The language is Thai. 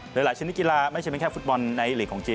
หลายชนิดกีฬาไม่ใช่เป็นแค่ฟุตบอลในหลีกของจีน